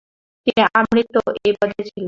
তিনি আমৃত্যু এই পদে ছিলেন।